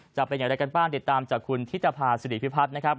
จะเป็นอย่างไรกันบ้างติดตามจากคุณธิตภาษิริพิพัฒน์นะครับ